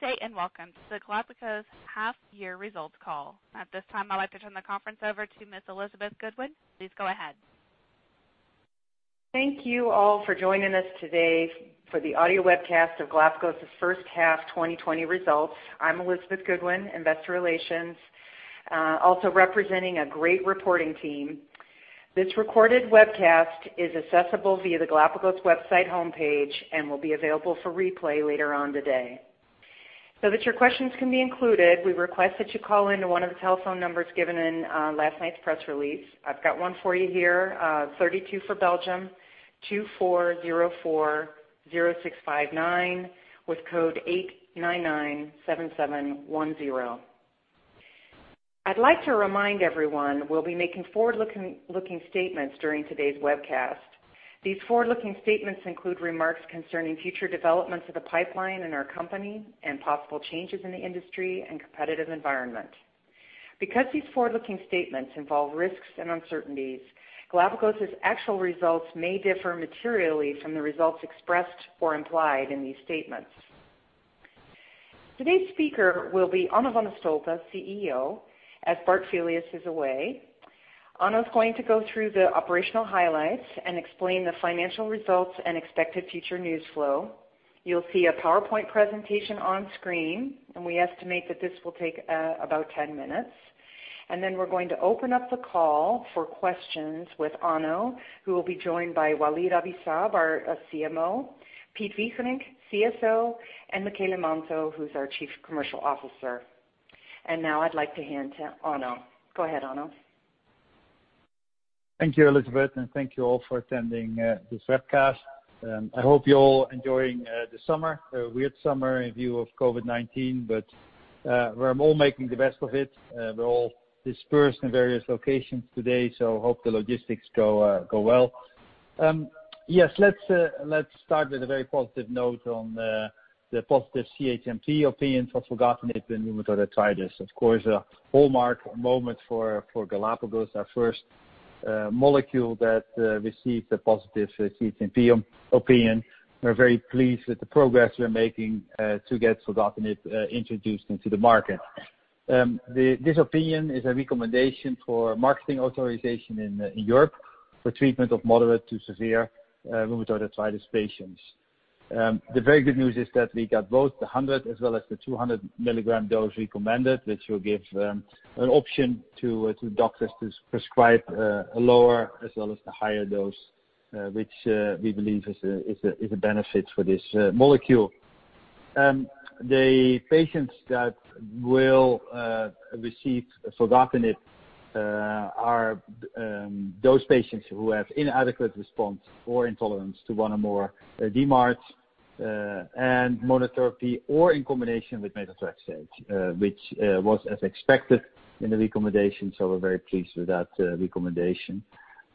Good day and welcome to the Galapagos Half year results call. At this time, I'd like to turn the conference over to Miss Elizabeth Goodwin. Please go ahead. Thank you all for joining us today for the audio webcast of Galapagos's first half 2020 results. I'm Elizabeth Goodwin, Investor Relations, also representing a great reporting team. This recorded webcast is accessible via the Galapagos website homepage and will be available for replay later on today. So that your questions can be included, we request that you call in to one of the telephone numbers given in last night's press release. I've got one for you here, thirty two for Belgium, two four zero four-zero six five nine with code eight nine nine seven seven one zero. I'd like to remind everyone we'll be making forward-looking statements during today's webcast. These forward-looking statements include remarks concerning future developments of the pipeline in our company and possible changes in the industry and competitive environment. Because these forward-looking statements involve risks and uncertainties, Galapagos's actual results may differ materially from the results expressed or implied in these statements. Today's speaker will be Onno van de Stolpe, CEO, as Bart Filius is away. Onno's going to go through the operational highlights and explain the financial results and expected future news flow. You'll see a PowerPoint presentation on screen. We estimate that this will take about 10 minutes. Then we're going to open up the call for questions with Onno, who will be joined by Walid Abi-Saab, our CMO, Piet Wigerinck, CSO, and Michele Manto, who's our Chief Commercial Officer. Now I'd like to hand to Onno. Go ahead, Onno. Thank you, Elizabeth, and thank you all for attending this webcast. I hope you're all enjoying the summer. A weird summer in view of COVID-19, but we're all making the best of it. We're all dispersed in various locations today, so hope the logistics go well. Yes, let's start with a very positive note on the positive CHMP opinion for filgotinib in rheumatoid arthritis. Of course, a hallmark moment for Galapagos, our first molecule that received a positive CHMP opinion. We're very pleased with the progress we're making to get filgotinib introduced into the market. This opinion is a recommendation for marketing authorization in Europe for treatment of moderate to severe rheumatoid arthritis patients. The very good news is that we got both the 100 mg as well as the 200 mg dose recommended, which will give an option to doctors to prescribe a lower as well as the higher dose, which we believe is a benefit for this molecule. The patients that will receive filgotinib are those patients who have inadequate response or intolerance to one or more DMARDs and monotherapy or in combination with methotrexate which was as expected in the recommendation. We're very pleased with that recommendation.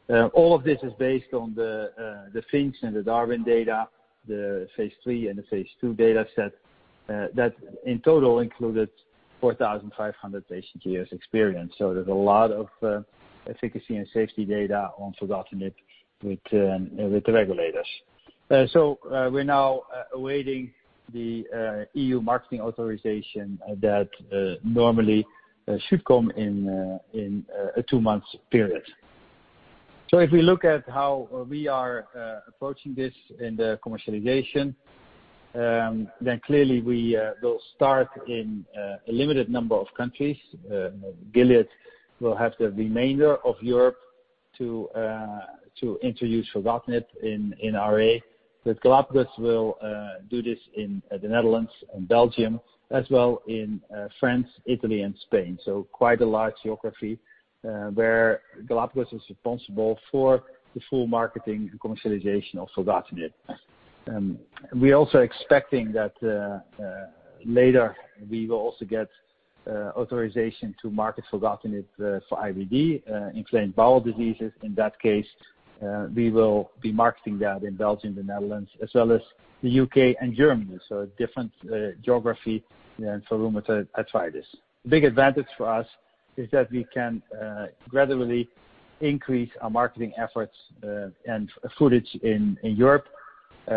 All of this is based on the FINCH and the DARWIN data, the phase III and the phase II data set, that in total included 4,500 patient-years experience. There's a lot of efficacy and safety data on filgotinib with the regulators. We're now awaiting the EU marketing authorization that normally should come in a two-month period. If we look at how we are approaching this in the commercialization, clearly we will start in a limited number of countries. Gilead will have the remainder of Europe to introduce filgotinib in RA. Galapagos will do this in the Netherlands and Belgium, as well in France, Italy, and Spain. Quite a large geography where Galapagos is responsible for the full marketing and commercialization of filgotinib. We're also expecting that later we will also get authorization to market filgotinib for IBD, inflamed bowel diseases. In that case, we will be marketing that in Belgium, the Netherlands, as well as the U.K. and Germany. Different geography than for rheumatoid arthritis. The big advantage for us is that we can gradually increase our marketing efforts and footage in Europe,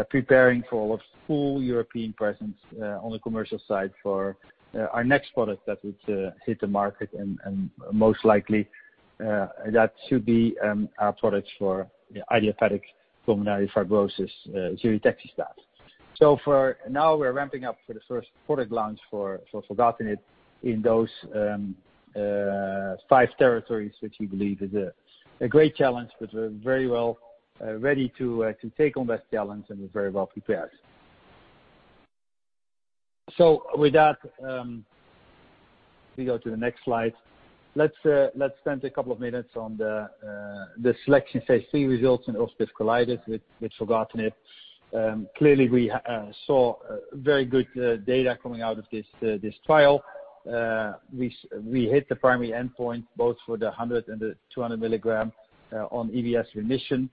preparing for a full European presence on the commercial side for our next product that would hit the market and most likely, that should be our product for idiopathic pulmonary fibrosis, ziritaxestat. For now we're ramping up for the first product launch for filgotinib in those five territories, which we believe is a great challenge, but we're very well ready to take on that challenge and we're very well prepared. With that, we go to the next slide. Let's spend a couple of minutes on the SELECTION Phase III results in ulcerative colitis with filgotinib. Clearly, we saw very good data coming out of this trial. We hit the primary endpoint both for the 100 mg and the 200 mg on EBS remission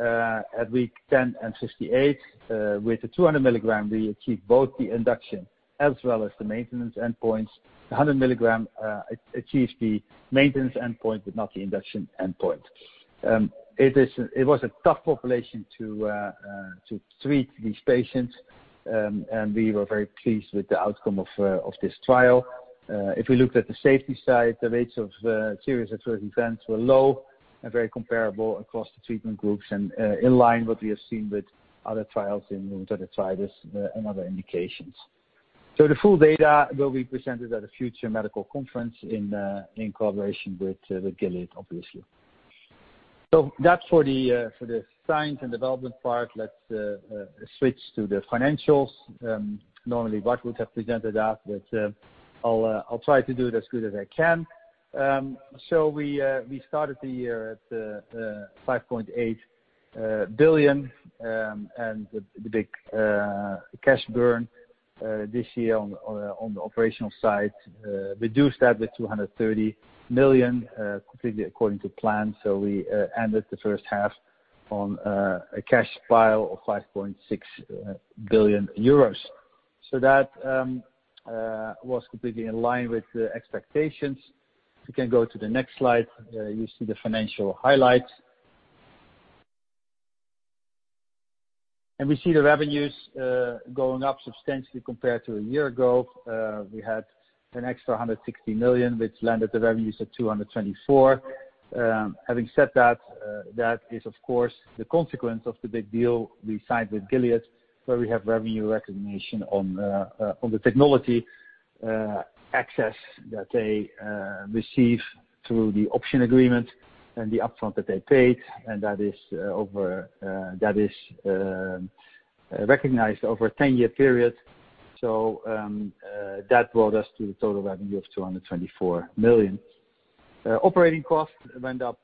at week 10 and 58. With the 200 mg, we achieved both the induction as well as the maintenance endpoints. The 100 mg achieved the maintenance endpoint but not the induction endpoint. It was a tough population to treat these patients. We were very pleased with the outcome of this trial. If we looked at the safety side, the rates of serious adverse events were low and very comparable across the treatment groups and in line with what we have seen with other trials in rheumatoid arthritis and other indications. The full data will be presented at a future medical conference in collaboration with Gilead, obviously. That's for the science and development part. Let's switch to the financials. Normally, Bart would have presented that, but I'll try to do it as good as I can. We started the year at 5.8 billion, the big cash burn this year on the operational side reduced that with 230 million, completely according to plan. We ended the first half on a cash pile of 5.6 billion euros. That was completely in line with the expectations. We can go to the next slide. You see the financial highlights. We see the revenues going up substantially compared to a year ago. We had an extra 160 million, which landed the revenues at 224 million. Having said that is, of course, the consequence of the big deal we signed with Gilead, where we have revenue recognition on the technology access that they receive through the option agreement and the upfront that they paid, and that is recognized over a 10-year period. That brought us to the total revenue of 224 million. Operating costs went up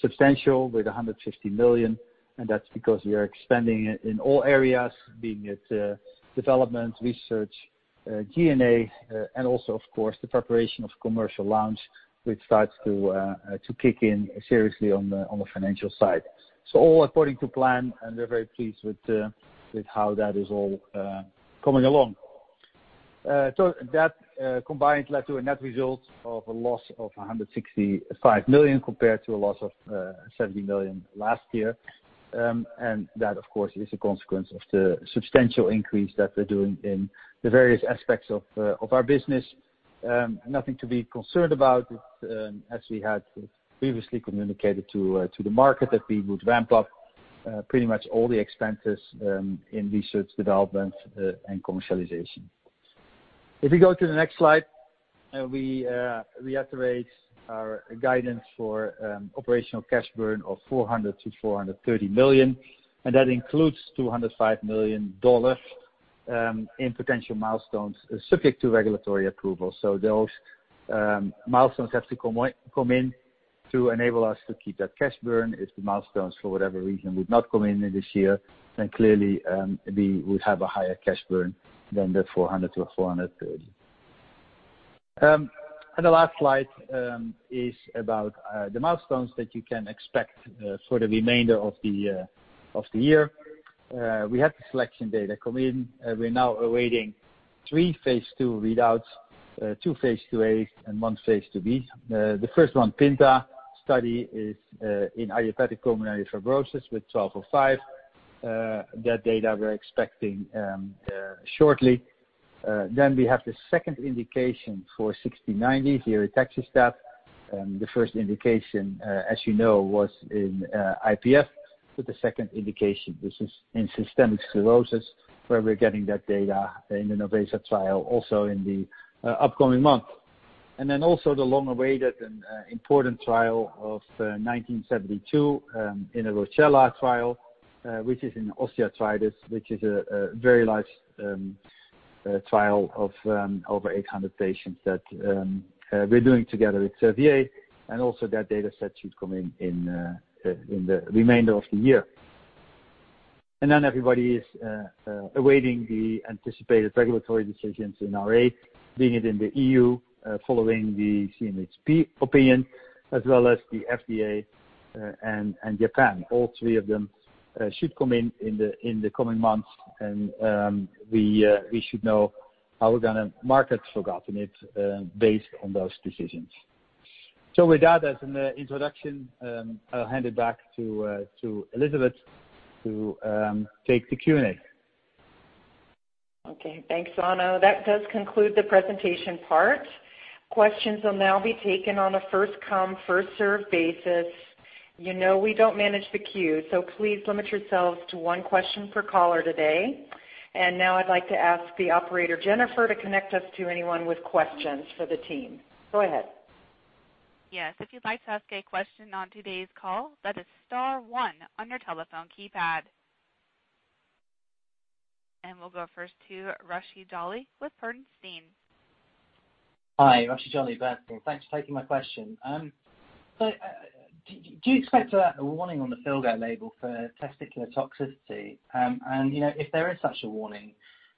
substantial with 150 million, and that's because we are expanding in all areas, being it development, research, G&A, and also, of course, the preparation of commercial launch, which starts to kick in seriously on the financial side. All according to plan, and we're very pleased with how that is all coming along. That combined led to a net result of a loss of 165 million compared to a loss of 17 million last year. That, of course, is a consequence of the substantial increase that we're doing in the various aspects of our business. Nothing to be concerned about. It's as we had previously communicated to the market that we would ramp up pretty much all the expenses in research, development, and commercialization. If you go to the next slide, we reiterate our guidance for operational cash burn of 400 million-430 million, and that includes EUR 205 million in potential milestones subject to regulatory approval. Those milestones have to come in to enable us to keep that cash burn. If the milestones, for whatever reason, would not come in this year, then clearly, we would have a higher cash burn than the 400 million-430 million. The last slide is about the milestones that you can expect for the remainder of the year. We have the SELECTION data come in. We are now awaiting three phase II readouts, two phase II-A and one phase II-B. The first one, PINTA study, is in idiopathic pulmonary fibrosis with GLPG1205. That data we are expecting shortly. We have the second indication for GLPG1690, ziritaxestat. The first indication, as you know, was in IPF. The second indication, this is in systemic sclerosis, where we're getting that data in the NOVESA trial, also in the upcoming month. Also the long-awaited and important trial of GLPG1972 in the ROCCELLA trial, which is in osteoarthritis, which is a very large trial of over 800 patients that we're doing together with Servier. Also that data set should come in the remainder of the year. Everybody is awaiting the anticipated regulatory decisions in RA, being it in the EU, following the CHMP opinion, as well as the FDA and Japan. All three of them should come in the coming months, and we should know how we're going to market filgotinib based on those decisions. With that as an introduction, I'll hand it back to Elizabeth to take the Q&A. Okay. Thanks, Onno. That does conclude the presentation part. Questions will now be taken on a first-come, first-served basis. You know we don't manage the queue. Please limit yourselves to one question per caller today. Now I'd like to ask the Operator, Jennifer, to connect us to anyone with questions for the team. Go ahead. Yes. If you'd like to ask a question on today's call, that is star one on your telephone keypad. We'll go first to Rushee Jolly with Bernstein. Hi, Rushee Jolly, Bernstein. Thanks for taking my question. Do you expect a warning on the filgotinib label for testicular toxicity? If there is such a warning,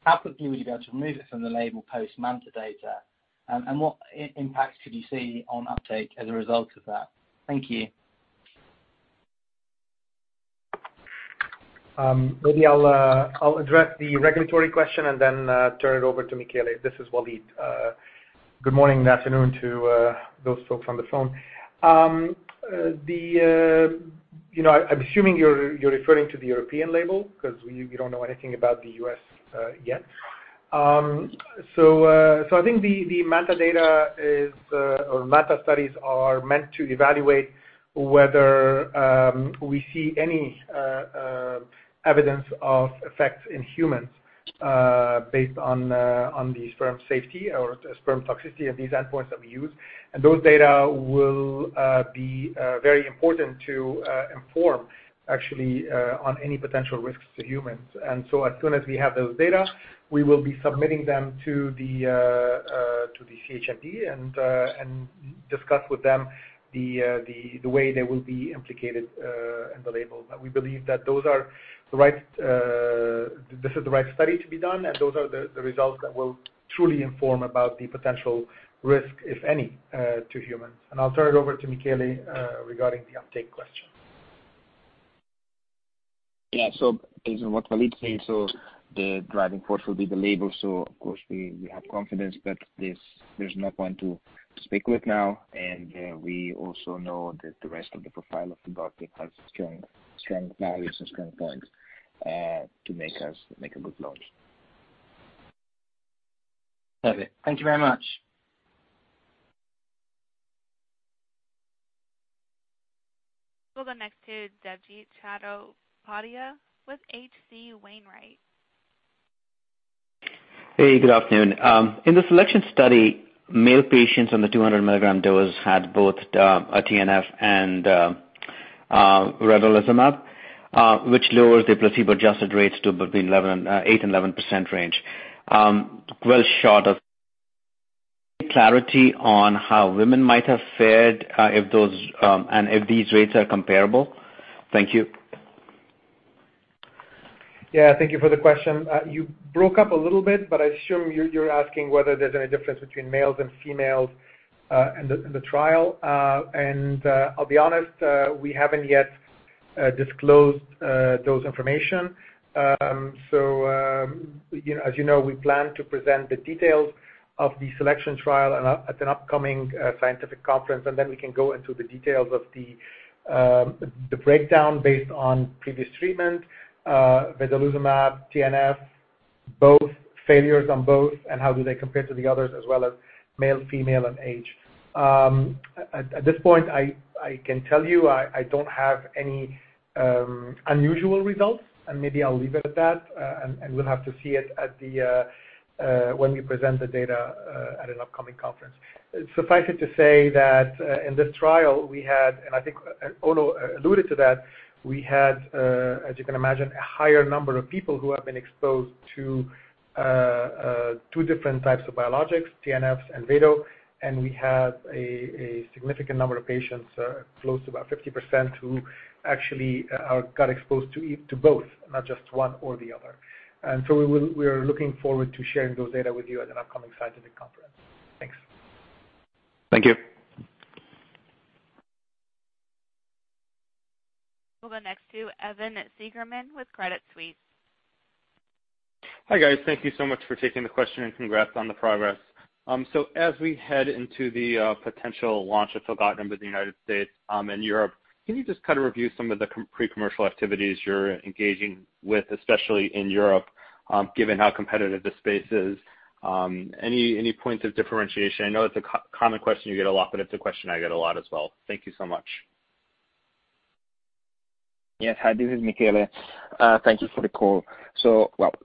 how quickly would you be able to remove it from the label post MANTA data? What impact could you see on uptake as a result of that? Thank you. Maybe I'll address the regulatory question and then turn it over to Michele. This is Walid. Good morning and afternoon to those folks on the phone. I'm assuming you're referring to the European label, because we don't know anything about the U.S. yet. I think the MANTA data or MANTA studies are meant to evaluate whether we see any evidence of effects in humans based on the sperm safety or sperm toxicity and these endpoints that we use. Those data will be very important to inform, actually, on any potential risks to humans. As soon as we have those data, we will be submitting them to the CHMP and discuss with them the way they will be implicated in the label. We believe that this is the right study to be done, and those are the results that will truly inform about the potential risk, if any, to humans. I'll turn it over to Michele regarding the uptake question. Yeah. Based on what Walid said, the driving force will be the label. Of course, we have confidence, but there's no one to speak with now. We also know that the rest of the profile of filgotinib has strong values and strong points to make a good launch. Perfect. Thank you very much. We'll go next to Debjit Chattopadhyay with H.C. Wainwright. Hey, good afternoon. In the SELECTION study, male patients on the 200 mg dose had both a TNF and vedolizumab, which lowers their placebo-adjusted rates to between 8% and 11% range. Well short of clarity on how women might have fared and if these rates are comparable. Thank you. Yeah, thank you for the question. You broke up a little bit, but I assume you're asking whether there's any difference between males and females in the trial. I'll be honest, we haven't yet disclosed those information. As you know, we plan to present the details of the SELECTION trial at an upcoming scientific conference, and then we can go into the details of the breakdown based on previous treatment, vedolizumab, TNF, failures on both, and how do they compare to the others, as well as male, female, and age. At this point, I can tell you, I don't have any unusual results, and maybe I'll leave it at that, and we'll have to see it when we present the data at an upcoming conference. Suffice it to say that in this trial we had, and I think Onno alluded to that, we had, as you can imagine, a higher number of people who have been exposed to two different types of biologics, TNFs and vedolizumab, and we have a significant number of patients, close to about 50%, who actually got exposed to both, not just one or the other. We are looking forward to sharing those data with you at an upcoming scientific conference. Thanks. Thank you. We'll go next to Evan Seigerman with Credit Suisse. Hi, guys. Thank you so much for taking the question and congrats on the progress. As we head into the potential launch of filgotinib in the U.S. and Europe, can you just review some of the pre-commercial activities you're engaging with, especially in Europe, given how competitive the space is? Any points of differentiation? I know it's a common question you get a lot, but it's a question I get a lot as well. Thank you so much. Yes. Hi, this is Michele. Thank you for the call.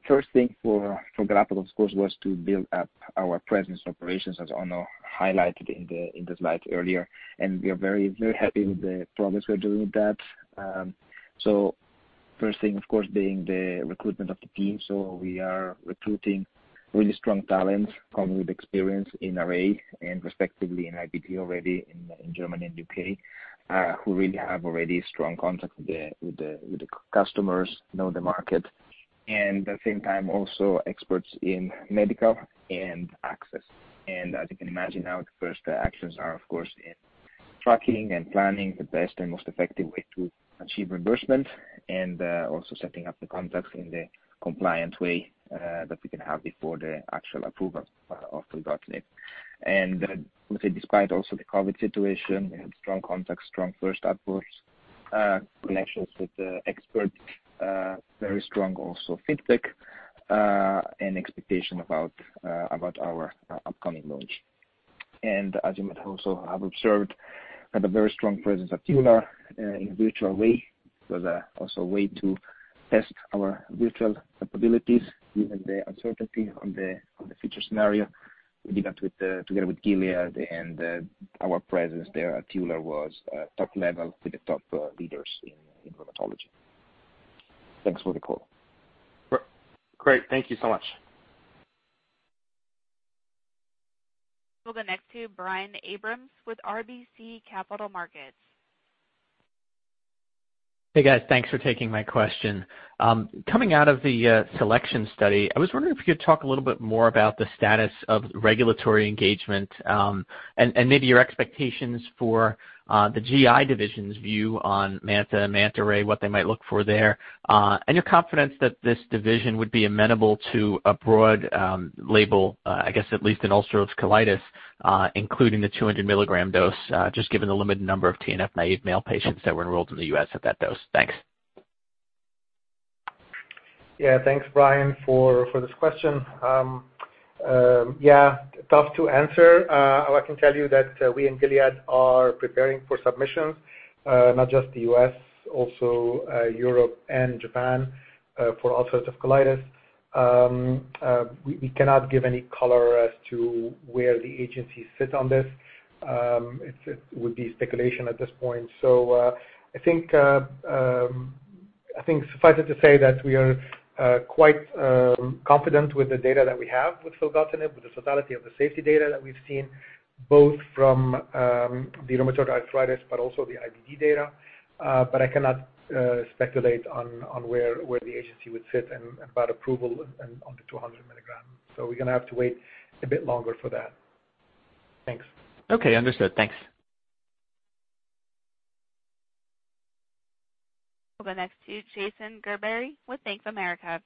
First thing for Galapagos, of course, was to build up our presence and operations, as Onno highlighted in the slide earlier. We are very happy with the progress we are doing with that. First thing, of course, being the recruitment of the team. We are recruiting really strong talent, coming with experience in RA and respectively in IBD already in Germany and U.K., who really have already strong contacts with the customers, know the market, and at the same time, also experts in medical and access. As you can imagine, our first actions are, of course, in tracking and planning the best and most effective way to achieve reimbursement and also setting up the contacts in the compliant way that we can have before the actual approval of filgotinib. I would say despite also the COVID-19 situation, we have strong contacts, strong first outputs, connections with the experts, very strong also feedback, and expectation about our upcoming launch. As you might also have observed, had a very strong presence at EULAR in a virtual way. It was also a way to test our virtual capabilities given the uncertainty on the future scenario. We did that together with Gilead, our presence there at EULAR was top level with the top leaders in rheumatology. Thanks for the call. Great. Thank you so much. We'll go next to Brian Abrahams with RBC Capital Markets. Hey, guys. Thanks for taking my question. Coming out of the SELECTION study, I was wondering if you could talk a little bit more about the status of regulatory engagement, and maybe your expectations for the GI division's view on MANTA and MANTA-RAy, what they might look for there, and your confidence that this division would be amenable to a broad label, I guess at least in ulcerative colitis including the 200 mg dose, just given the limited number of TNF-naive male patients that were enrolled in the U.S. at that dose. Thanks. Yeah. Thanks, Brian, for this question. Yeah, tough to answer. I can tell you that we in Gilead are preparing for submissions. Not just the U.S., also Europe and Japan, for ulcerative colitis. We cannot give any color as to where the agencies sit on this. It would be speculation at this point. I think suffice it to say that we are quite confident with the data that we have with filgotinib, with the totality of the safety data that we've seen, both from the rheumatoid arthritis but also the IBD data. I cannot speculate on where the agency would sit and about approval on the 200 mg. We're going to have to wait a bit longer for that. Thanks. Okay, understood. Thanks. We'll go next to Jason Gerberry with Bank of America.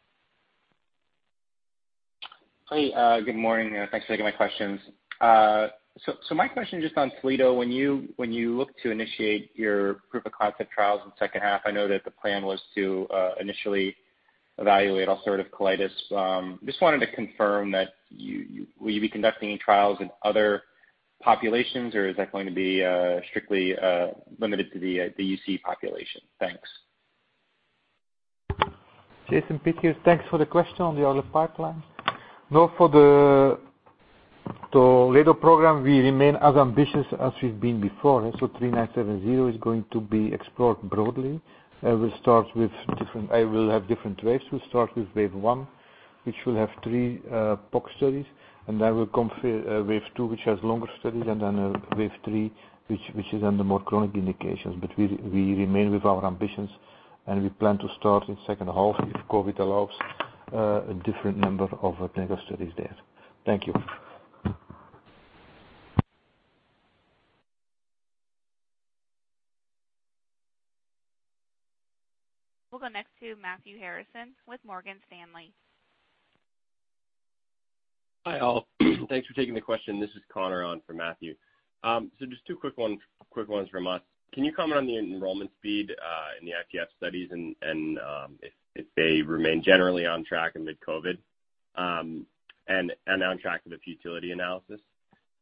Hey, good morning. Thanks for taking my questions. My question just on Toledo. When you look to initiate your proof-of-concept trials in the second half, I know that the plan was to initially evaluate ulcerative colitis. Just wanted to confirm that, will you be conducting trials in other populations or is that going to be strictly limited to the UC population? Thanks. Jason, Piet here. Thanks for the question on the other pipeline. No, for the Toledo program, we remain as ambitious as we've been before. GLPG3970 is going to be explored broadly, and we'll have different waves. We'll start with wave one, which will have three PoC studies, and then will come wave two, which has longer studies, and then a wave three, which is on the more chronic indications. We remain with our ambitions, and we plan to start in second half if COVID allows, a different number of clinical studies there. Thank you. We'll go next to Matthew Harrison with Morgan Stanley. Hi, all. Thanks for taking the question. This is Connor on for Matthew. Just two quick ones from us. Can you comment on the enrollment speed in the IPF studies and if they remain generally on track amid COVID, and on track for the futility analysis?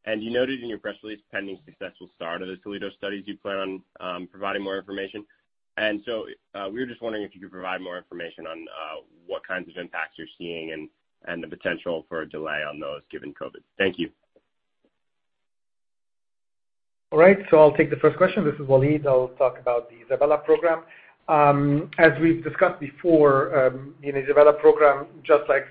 You noted in your press release, pending successful start of the Toledo studies, you plan on providing more information. We were just wondering if you could provide more information on what kinds of impacts you're seeing and the potential for a delay on those, given COVID. Thank you. All right. I'll take the first question. This is Walid. I'll talk about the ISABELA program. As we've discussed before, in the ISABELA program, just like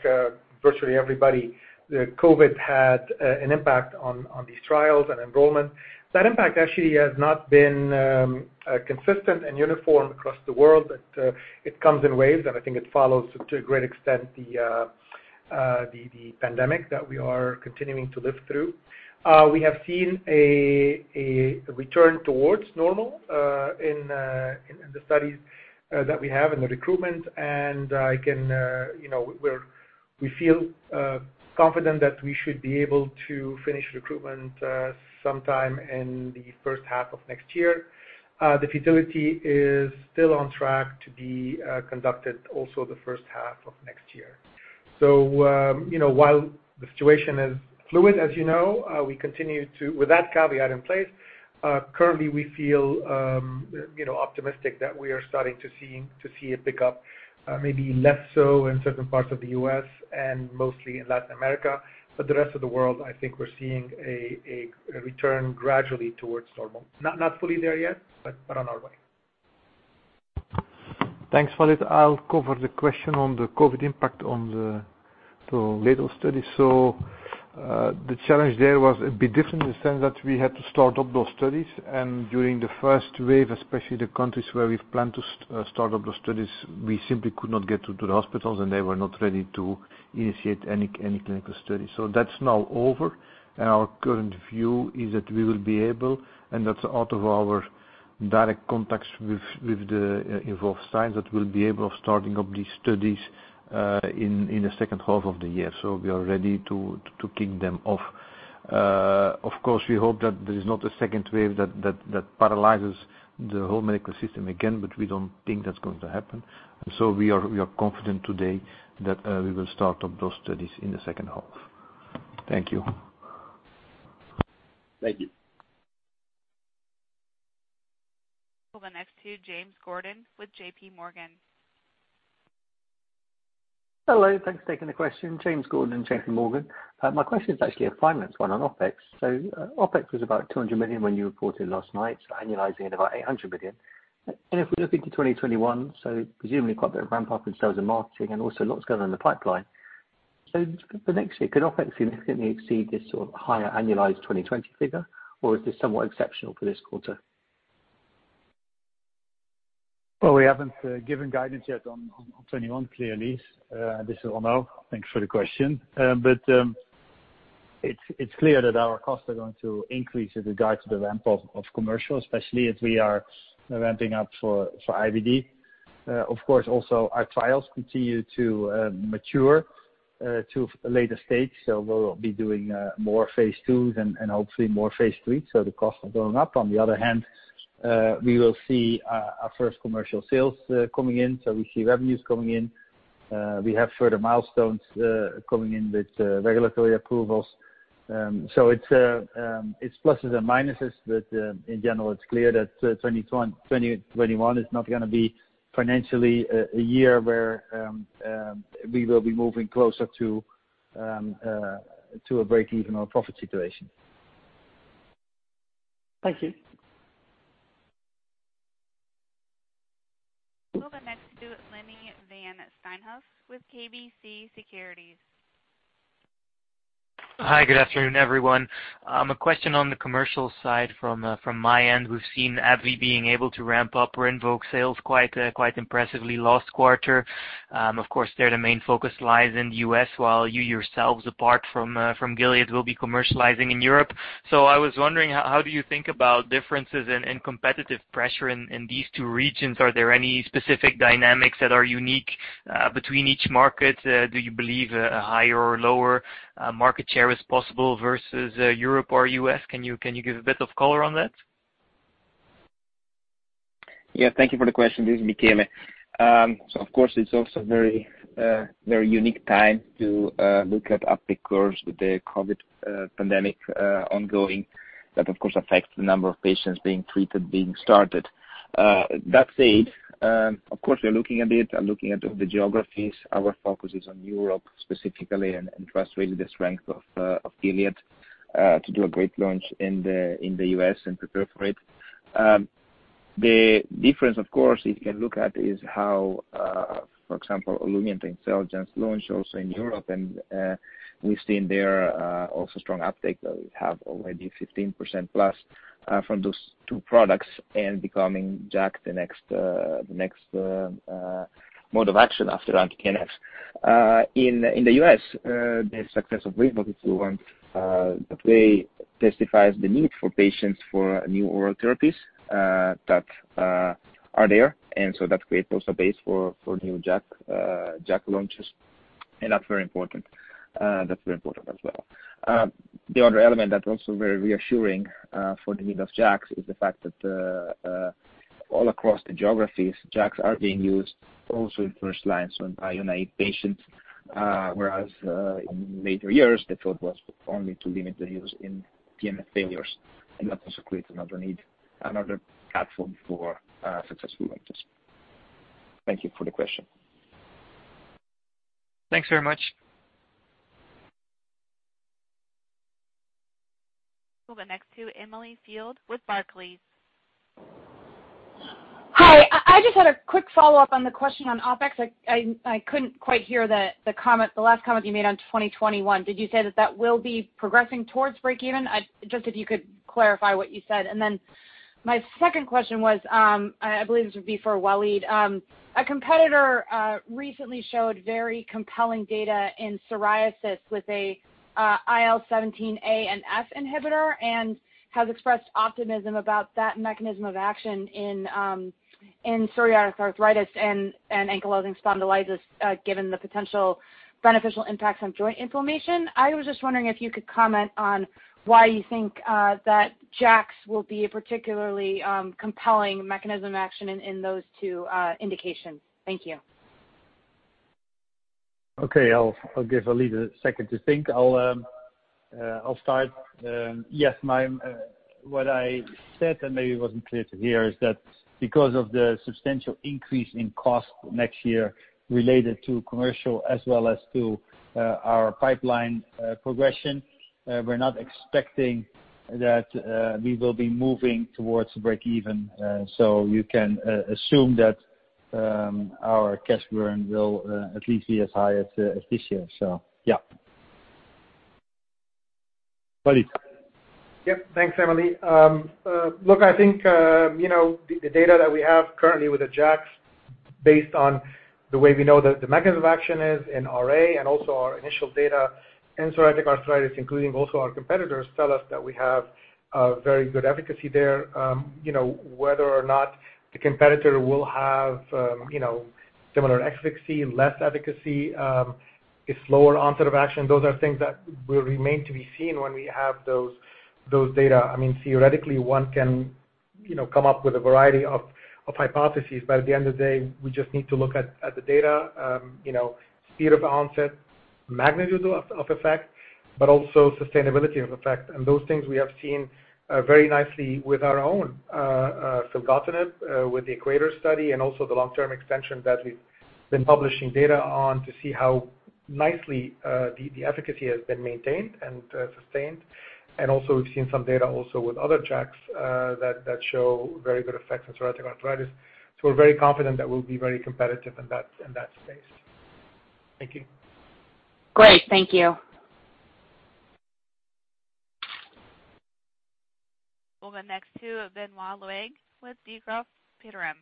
virtually everybody, COVID had an impact on these trials and enrollment. That impact actually has not been consistent and uniform across the world, but it comes in waves, and I think it follows, to a great extent, the pandemic that we are continuing to live through. We have seen a return towards normal in the studies that we have and the recruitment, and we feel confident that we should be able to finish recruitment sometime in the first half of next year. The futility is still on track to be conducted also the first half of next year. While the situation is fluid, as you know, with that caveat in place, currently, we feel optimistic that we are starting to see a pickup. Maybe less so in certain parts of the U.S. and mostly in Latin America. The rest of the world, I think we're seeing a return gradually towards normal. Not fully there yet, but on our way. Thanks, Walid. I'll cover the question on the COVID-19 impact on the Toledo study. The challenge there was a bit different in the sense that we had to start up those studies, and during the first wave, especially the countries where we've planned to start up those studies, we simply could not get to the hospitals, and they were not ready to initiate any clinical studies. That's now over. Our current view is that we will be able, and that's out of our direct contacts with the involved sites, that we'll be able of starting up these studies in the second half of the year. We are ready to kick them off. Of course, we hope that there is not a second wave that paralyzes the whole medical system again, but we don't think that's going to happen. We are confident today that we will start up those studies in the second half. Thank you. Thank you. We'll go next to James Gordon with JPMorgan. Hello. Thanks for taking the question. James Gordon, JPMorgan. My question is actually a finance one on OpEx. OpEx was about 200 million when you reported last night, annualizing at about 800 million. If we look into 2021, presumably quite a bit of ramp-up in sales and marketing and also lots going on in the pipeline. For next year, could OpEx significantly exceed this sort of higher annualized 2020 figure, or is this somewhat exceptional for this quarter? Well, we haven't given guidance yet on 2021, clearly. This is Onno. Thanks for the question. It's clear that our costs are going to increase with regard to the ramp of commercial, especially as we are ramping up for IBD. Of course, also our trials continue to mature to a later stage. We'll be doing more phase IIs and hopefully more phase IIIs, the costs are going up. On the other hand, we will see our first commercial sales coming in. We see revenues coming in. We have further milestones coming in with regulatory approvals. It's pluses and minuses, in general it's clear that 2021 is not going to be financially a year where we will be moving closer to a break-even or profit situation. Thank you. We'll go next to Lenny Van Steenhuyse with KBC Securities. Hi, good afternoon, everyone. A question on the commercial side from my end. We've seen AbbVie being able to ramp up RINVOQ sales quite impressively last quarter. Of course, there the main focus lies in the U.S., while you yourselves, apart from Gilead, will be commercializing in Europe. I was wondering, how do you think about differences in competitive pressure in these two regions? Are there any specific dynamics that are unique between each market? Do you believe a higher or lower market share is possible versus Europe or U.S.? Can you give a bit of color on that? Yeah, thank you for the question. This is Michele. Of course it is also a very unique time to look at uptake course with the COVID pandemic ongoing. That of course affects the number of patients being treated, being started. That said, of course, we're looking at it and looking at the geographies. Our focus is on Europe specifically and frustrated the strength of Gilead to do a great launch in the U.S. and prepare for it. The difference of course, if you can look at, is how, for example, OLUMIANT and XELJANZ launch also in Europe and we've seen there also strong uptake. We have already 15%+ from those two products and becoming JAK the next mode of action after anti-TNFs. In the U.S., the success of RINVOQ, if you want, that way testifies the need for patients for new oral therapies that are there. That creates also base for new JAK launches, and that's very important as well. The other element that's also very reassuring for the need of JAKs is the fact that all across the geographies, JAKs are being used also in first line, so in bDMARD-naive patients, whereas in later years the thought was only to limit the use in TNF failures, and that also creates another need, another platform for successful launches. Thank you for the question. Thanks very much. We'll go next to Emily Field with Barclays. Hi, I just had a quick follow-up on the question on OpEx. I couldn't quite hear the last comment you made on 2021. Did you say that that will be progressing towards break even? Just if you could clarify what you said. Then my second question was, I believe this would be for Walid. A competitor recently showed very compelling data in psoriasis with a IL-17A and F inhibitor and has expressed optimism about that mechanism of action in psoriatic arthritis and ankylosing spondylitis, given the potential beneficial impacts on joint inflammation. I was just wondering if you could comment on why you think that JAKs will be a particularly compelling mechanism action in those two indications. Thank you. Okay, I'll give Walid a second to think. I'll start. What I said, and maybe it wasn't clear to hear, is that because of the substantial increase in cost next year related to commercial as well as to our pipeline progression, we're not expecting that we will be moving towards break even. You can assume that our cash burn will at least be as high as this year. Yeah. Walid. Yep. Thanks, Emily. Look, I think, the data that we have currently with the JAKs, based on the way we know the mechanism of action is in RA and also our initial data in psoriatic arthritis, including also our competitors, tell us that we have a very good efficacy there. Whether or not the competitor will have similar efficacy, less efficacy, a slower onset of action, those are things that will remain to be seen when we have those data. Theoretically, one can come up with a variety of hypotheses, but at the end of the day, we just need to look at the data. Speed of onset, magnitude of effect, but also sustainability of effect. Those things we have seen very nicely with our own filgotinib, with the EQUATOR study and also the long-term extension that we've been publishing data on to see how nicely the efficacy has been maintained and sustained. Also, we've seen some data also with other JAKs that show very good effects in psoriatic arthritis. We're very confident that we'll be very competitive in that space. Thank you. Great. Thank you. We'll go next to Benoit Louage with Degroof Petercam.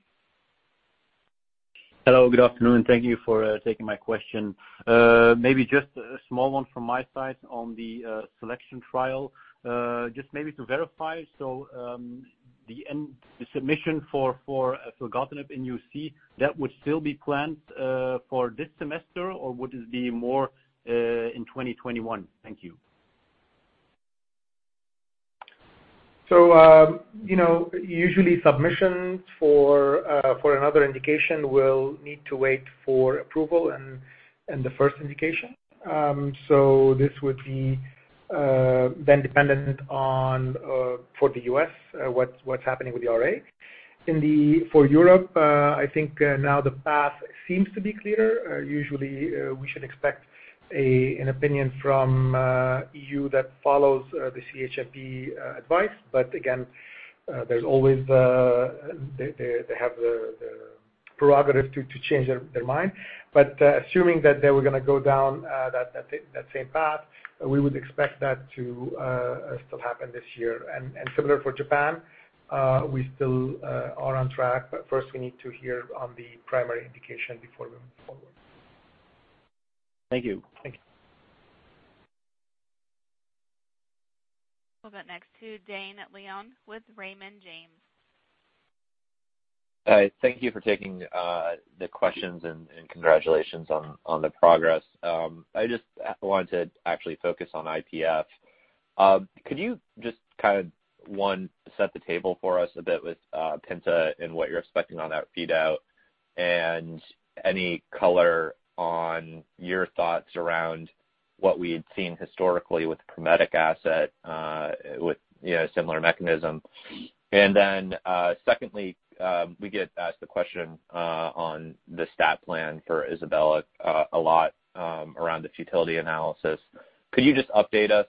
Hello, good afternoon. Thank you for taking my question. Maybe just a small one from my side on the SELECTION trial. Just maybe to verify, so the submission for filgotinib in UC, that would still be planned for this semester, or would it be more in 2021? Thank you. Usually, submissions for another indication will need to wait for approval in the first indication. This would be then dependent on, for the U.S., what's happening with the RA. For Europe, I think now the path seems to be clearer. Usually, we should expect an opinion from EU that follows the CHMP advice. Again, they have the prerogative to change their mind. Assuming that they were going to go down that same path, we would expect that to still happen this year. Similar for Japan, we still are on track, but first we need to hear on the primary indication before we move forward. Thank you. Thank you. We'll get next to Dane Leone with Raymond James. All right. Thank you for taking the questions, and congratulations on the progress. I just wanted to actually focus on IPF. Could you just, one, set the table for us a bit with PINTA and what you're expecting on that readout? Any color on your thoughts around what we had seen historically with the ProMetic asset with a similar mechanism. Secondly, we get asked the question on the stat plan for ISABELA a lot around the futility analysis. Could you just update us,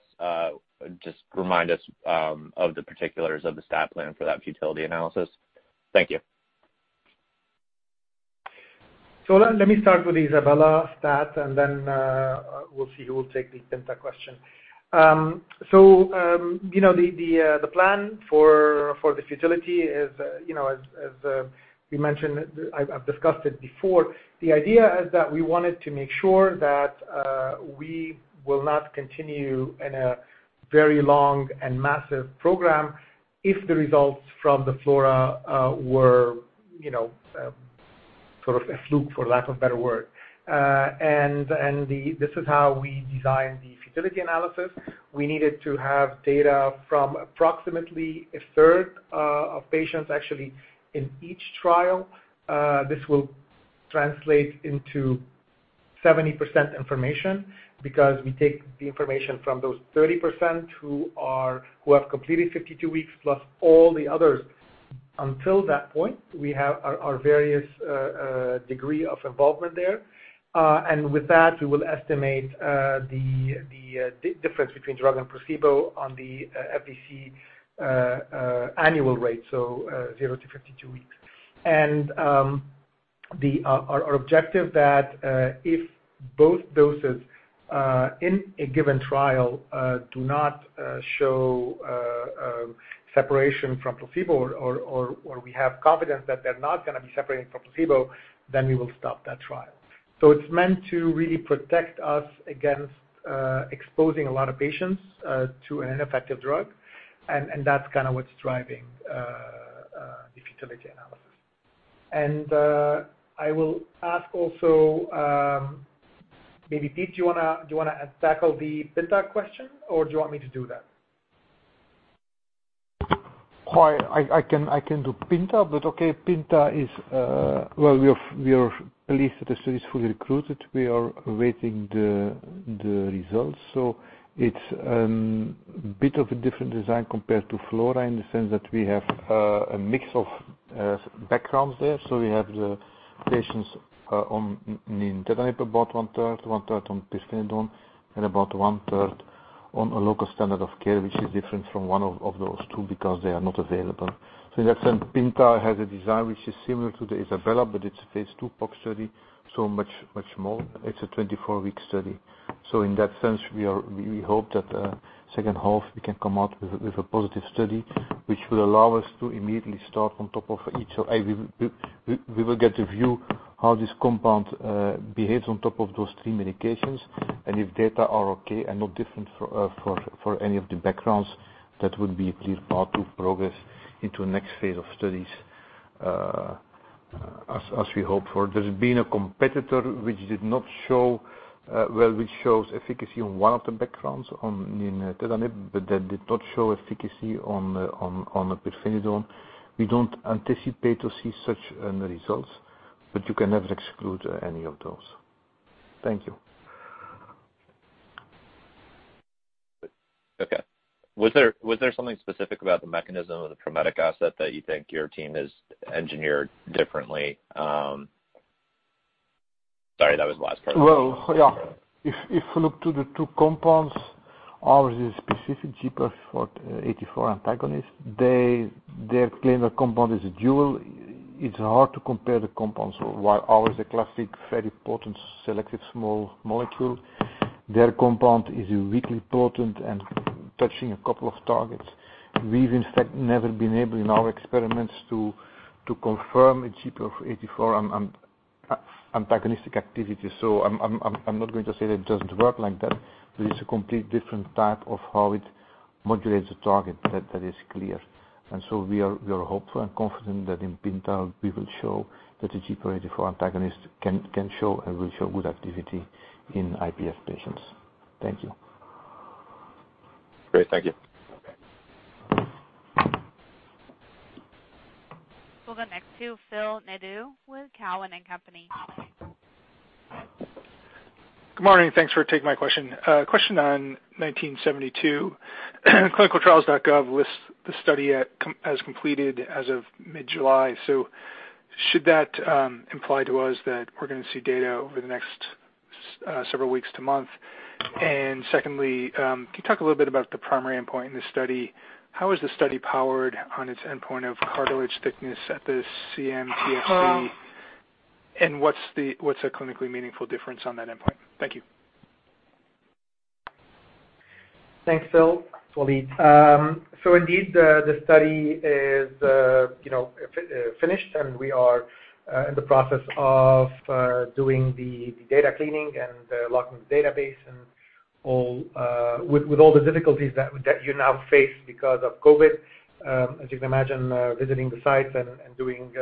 remind us of the particulars of the stat plan for that futility analysis? Thank you. Let me start with the ISABELA stat, and then we'll see who will take the PINTA question. The plan for the futility is, as we mentioned, I've discussed it before. The idea is that we wanted to make sure that we will not continue in a very long and massive program if the results from the FLORA were sort of a fluke, for lack of a better word. This is how we designed the futility analysis. We needed to have data from approximately a third of patients actually in each trial. This will translate into 70% information because we take the information from those 30% who have completed 52 weeks, plus all the others until that point. We have our various degree of involvement there. With that, we will estimate the difference between drug and placebo on the FVC annual rate, so 0-52 weeks. Our objective that, if both doses in a given trial do not show separation from placebo or we have confidence that they're not going to be separating from placebo, then we will stop that trial. It's meant to really protect us against exposing a lot of patients to an ineffective drug, and that's what's driving the futility analysis. I will ask also, maybe, Piet, do you want to tackle the PINTA question or do you want me to do that? I can do PINTA. We are pleased that the study is fully recruited. We are awaiting the results. It's a bit of a different design compared to FLORA in the sense that we have a mix of backgrounds there. We have the patients on nintedanib, about 1/3, 1/3 on pirfenidone, and about 1/3 on a local standard of care, which is different from one of those two because they are not available. In that sense, PINTA has a design which is similar to the ISABELA, but it's a phase II PoC study, much, much more. It's a 24-week study. In that sense, we hope that second half we can come out with a positive study, which will allow us to immediately start on top of each. We will get a view how this compound behaves on top of those three medications, and if data are okay and not different for any of the backgrounds, that would be a clear path to progress into next phase of studies as we hope for. There's been a competitor which shows efficacy on one of the backgrounds, on nintedanib, but that did not show efficacy on pirfenidone. We don't anticipate to see such end results, but you can never exclude any of those. Thank you. Okay. Was there something specific about the mechanism of the ProMetic asset that you think your team has engineered differently? Sorry, that was the last part. Well, yeah. If you look to the two compounds, ours is specific GPR84 antagonist. Their claim, the compound is a dual. It's hard to compare the compounds. While ours is a classic, very potent, selective small molecule, their compound is weakly potent and touching a couple of targets. We've in fact never been able in our experiments to confirm a GPR84 antagonistic activity. I'm not going to say that it doesn't work like that, but it's a complete different type of how it modulates the target. That is clear. We are hopeful and confident that in PINTA, we will show that a GPR84 antagonist can show and will show good activity in IPF patients. Thank you. Great. Thank you. Okay. We'll go next to Phil Nadeau with Cowen and Company. Good morning. Thanks for taking my question. A question on GLPG1972 clinicaltrials.gov lists the study as completed as of mid-July. Should that imply to us that we're going to see data over the next several weeks to month? Secondly, can you talk a little bit about the primary endpoint in this study? How is the study powered on its endpoint of cartilage thickness at the cMTFC? What's a clinically meaningful difference on that endpoint? Thank you. Thanks, Phil. Walid. Indeed, the study is finished, and we are in the process of doing the data cleaning and locking the database and with all the difficulties that you now face because of COVID. As you can imagine, visiting the sites and doing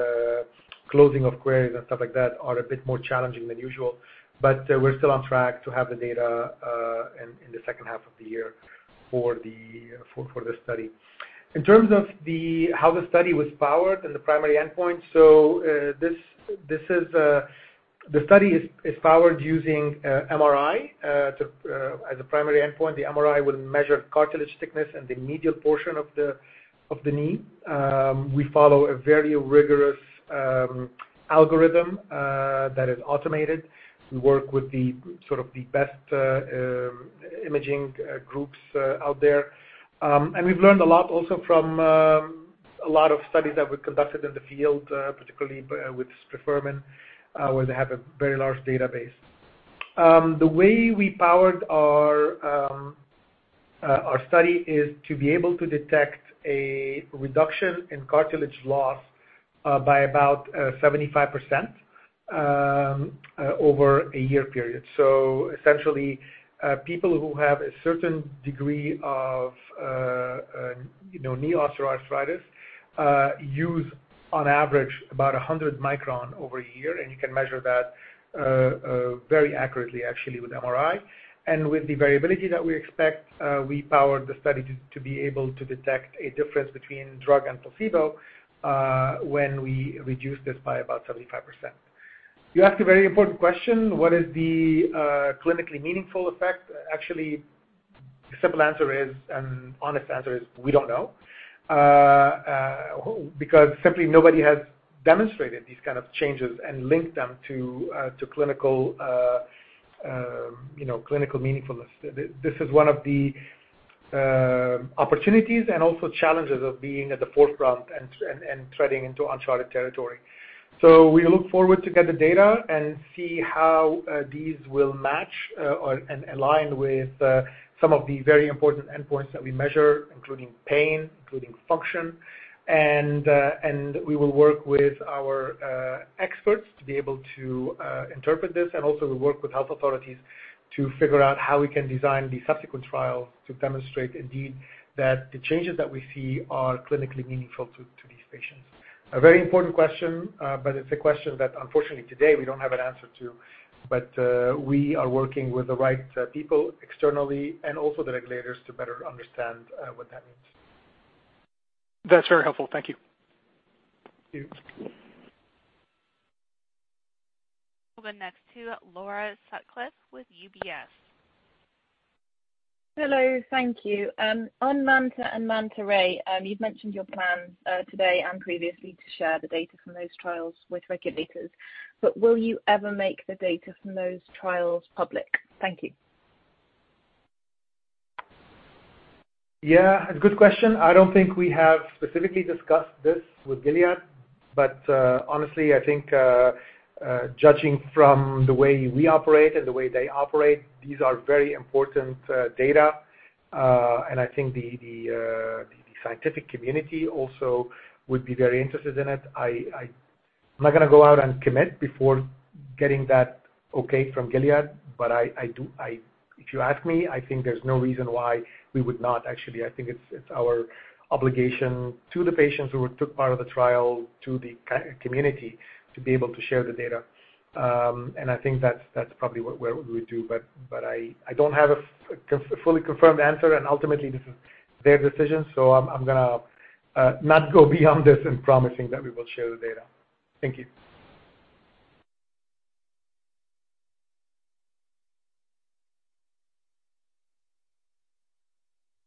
closing of queries and stuff like that are a bit more challenging than usual. We're still on track to have the data in the second half of the year for the study. In terms of how the study was powered and the primary endpoint, the study is powered using MRI, as a primary endpoint. The MRI will measure cartilage thickness in the medial portion of the knee. We follow a very rigorous algorithm that is automated. We work with sort of the best imaging groups out there. We've learned a lot also from a lot of studies that we've conducted in the field, particularly with sprifermin, where they have a very large database. The way we powered our study is to be able to detect a reduction in cartilage loss by about 75% over a year period. Essentially, people who have a certain degree of knee osteoarthritis, use on average about 100 microns over a year, and you can measure that very accurately actually with MRI. With the variability that we expect, we powered the study to be able to detect a difference between drug and placebo when we reduce this by about 75%. You asked a very important question, what is the clinically meaningful effect? Actually, the simple answer is, and honest answer is, we don't know. Simply nobody has demonstrated these kind of changes and linked them to clinical meaningfulness. This is one of the opportunities and also challenges of being at the forefront and treading into uncharted territory. We look forward to get the data and see how these will match and align with some of the very important endpoints that we measure, including pain, including function. We will work with our experts to be able to interpret this. Also we work with health authorities to figure out how we can design the subsequent trial to demonstrate indeed, that the changes that we see are clinically meaningful to these patients. A very important question, but it's a question that unfortunately today we don't have an answer to. We are working with the right people externally and also the regulators to better understand what that means. That's very helpful. Thank you. Thank you. We'll go next to Laura Sutcliffe with UBS. Hello. Thank you. On MANTA and MANTA-RAy, you've mentioned your plans today and previously to share the data from those trials with regulators. Will you ever make the data from those trials public? Thank you. Yeah, good question. I don't think we have specifically discussed this with Gilead, but honestly, I think judging from the way we operate and the way they operate, these are very important data. I think the scientific community also would be very interested in it. I'm not going to go out and commit before getting that okay from Gilead, but if you ask me, I think there's no reason why we would not. Actually, I think it's our obligation to the patients who took part of the trial, to the community, to be able to share the data. I think that's probably what we'll do. I don't have a fully confirmed answer, and ultimately, this is their decision, so I'm going to not go beyond this in promising that we will share the data. Thank you.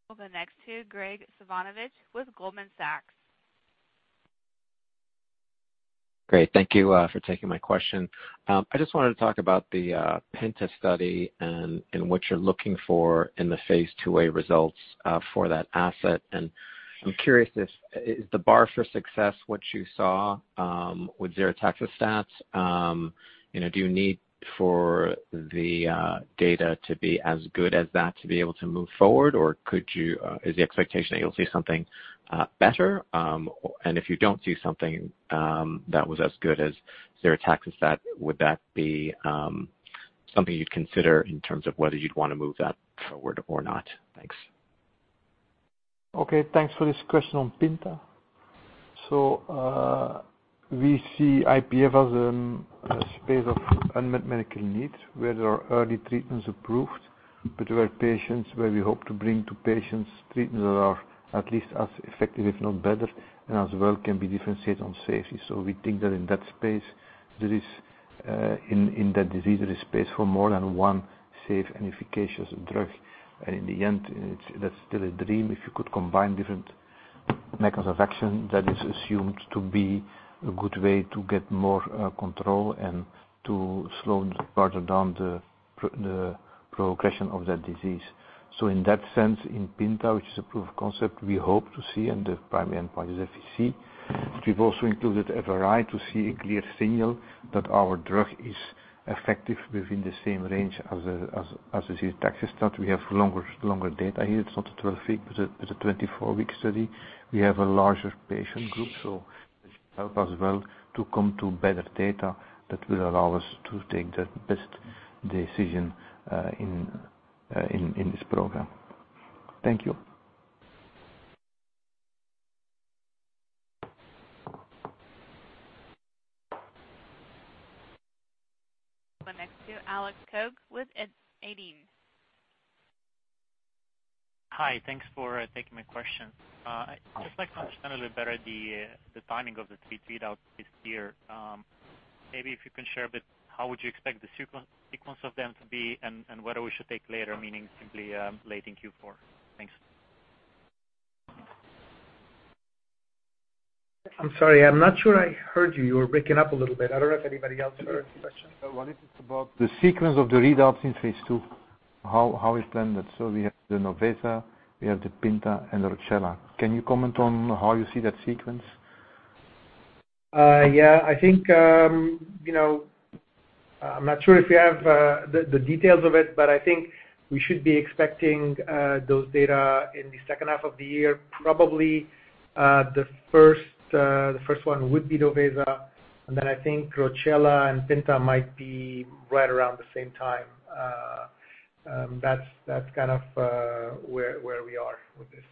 We'll go next to Graig Suvannavejh with Goldman Sachs. Great. Thank you for taking my question. I just wanted to talk about the PINTA study and what you're looking for in the phase II-A results for that asset. I'm curious, is the bar for success what you saw with ziritaxestat? Do you need for the data to be as good as that to be able to move forward? Is the expectation that you'll see something better? If you don't see something that was as good as ziritaxestat, would that be something you'd consider in terms of whether you'd want to move that forward or not. Thanks. Okay. Thanks for this question on PINTA. We see IPF as a space of unmet medical needs, where there are early treatments approved, but where we hope to bring to patients treatments that are at least as effective, if not better, and as well can be differentiated on safety. We think that in that space, in that disease, there is space for more than one safe and efficacious drug. In the end, that's still a dream, if you could combine different mechanisms of action, that is assumed to be a good way to get more control and to slow further down the progression of that disease. In that sense, in PINTA, which is a proof of concept we hope to see and the primary endpoint is FVC. We've also included FRI to see a clear signal that our drug is effective within the same range as ziritaxestat. We have longer data here. It's not a 12-week, but it's a 24-week study. We have a larger patient group. It should help us well to come to better data that will allow us to take the best decision in this program. Thank you. We'll go next to Alex Cogut with Kempen. Hi, Thanks for taking my question. I'd just like to understand a little better the timing of the three readouts this year. Maybe if you can share a bit, how would you expect the sequence of them to be and whether we should take later, meaning simply late in Q4? Thanks. I'm sorry, I'm not sure I heard you. You were breaking up a little bit. I don't know if anybody else heard the question. What is it about the sequence of the readouts in phase II? How is it planned? We have the NOVESA, we have the PINTA and ROCCELLA. Can you comment on how you see that sequence? Yeah. I'm not sure if we have the details of it, but I think we should be expecting those data in the second half of the year. Probably, the first one would be NOVESA, and then I think ROCCELLA and PINTA might be right around the same time. That's kind of where we are with this.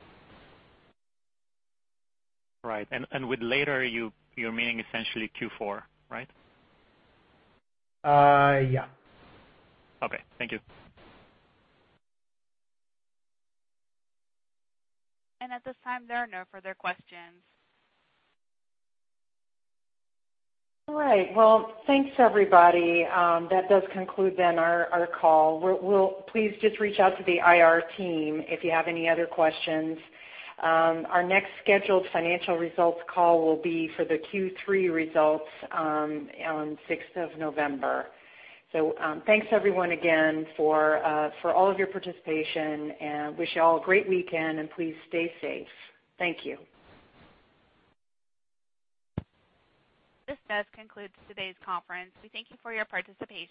Right. With later, you're meaning essentially Q4, right? Yeah. Okay. Thank you. At this time, there are no further questions. All right. Well, thanks, everybody. That does conclude then our call. Please just reach out to the IR team if you have any other questions. Our next scheduled financial results call will be for the Q3 results on the 6th of November. Thanks everyone again for all of your participation, and wish you all a great weekend, and please stay safe. Thank you. This does conclude today's conference. We thank you for your participation.